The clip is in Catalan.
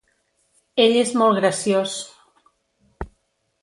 Ell és molt graciós.